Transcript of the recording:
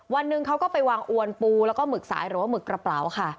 วันหนึ่งเขาก็ไปวางอวนปูแล้วก็หมึกสายหรือว่าหมึกกระเป๋าค่ะ